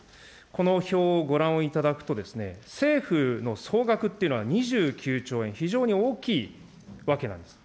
この表をご覧をいただくとですね、政府の総額っていうのは２９兆円、非常に大きいわけなんです。